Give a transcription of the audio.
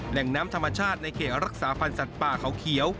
แหล่งน้ำธรรมชาติในเขตรักษาพันธ์สัตว์ป่าเขาเขียว